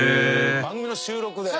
番組の収録で？